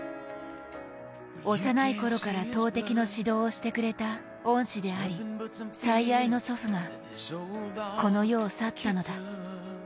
幼いころから投てきの指導をしてくれた恩師である最愛の祖父がこの世を去ったのだ。